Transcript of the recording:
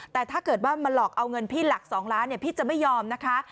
แต่ถ้าเกิดว่ามาหลอกเอาเงินพี่หลัก๒ล้านพี่จะไม่ยอมนะคะ